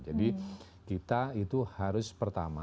jadi kita itu harus pertama